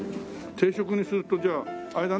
定食にするとじゃああれだな。